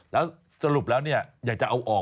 แล้วสรุปแล้วอยากจะเอาออก